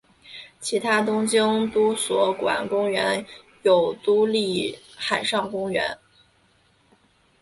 其他东京都所管公园有都立海上公园。